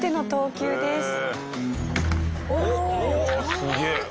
すげえ！